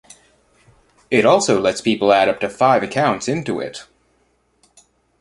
It also lets people add up to five accounts into it.